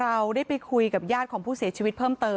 เพราะไม่เคยถามลูกสาวนะว่าไปทำธุรกิจแบบไหนอะไรยังไง